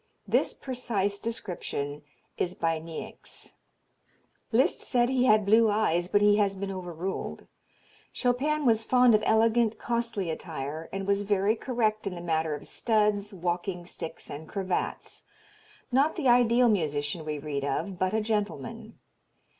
This precise description is by Niecks. Liszt said he had blue eyes, but he has been overruled. Chopin was fond of elegant, costly attire, and was very correct in the matter of studs, walking sticks and cravats. Not the ideal musician we read of, but a gentleman.